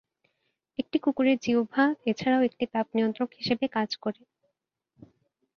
একটি কুকুরের জিহ্বা এছাড়াও একটি তাপ নিয়ন্ত্রক হিসেবে কাজ করে।